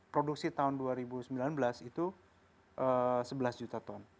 produksi tahun dua ribu sembilan belas itu sebelas juta ton